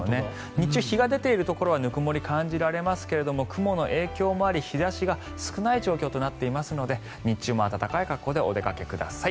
日中、日が出ているところはぬくもりを感じられますが雲の影響もあり日差しが少ない状況となっていますので日中も暖かい格好でお出かけください。